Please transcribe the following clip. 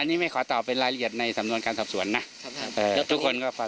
อันนี้ขอเก็บไว้ในเรื่องการสอบสวนด้วยกัน